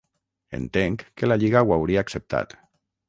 Entenc que la lliga ho hauria acceptat.